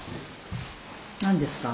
何ですか？